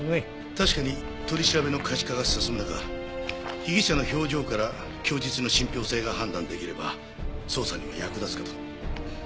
確かに取り調べの可視化が進む中被疑者の表情から供述の信憑性が判断出来れば捜査にも役立つかと。